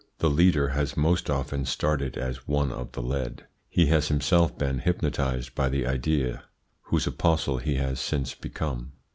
The leader has most often started as one of the led. He has himself been hypnotised by the idea, whose apostle he has since become.